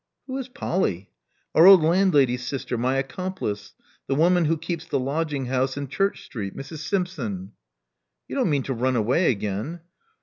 "Who is Polly?" "Our old landlady's sister — my accomplice — the wom^x who keeps the lodging house in Church Street, Mrs. Sinipson." "You don't mean to run away again?"